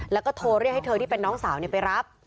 แล้วก็โทรเรียกให้เธอที่เป็นน้องสาวไปรับ